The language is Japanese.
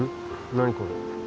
何これ？